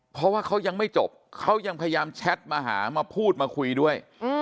เพราะว่าเขายังไม่จบเขายังพยายามแชทมาหามาพูดมาคุยด้วย